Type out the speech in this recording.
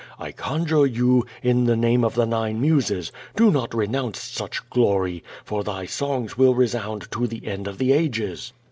I conjure you, in the name of the nine muses, do not renounce such glory, for thy songs will resound to the end of the ages.